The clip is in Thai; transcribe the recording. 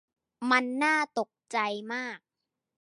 มันน่าตกใจมาก